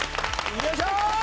よいしょ！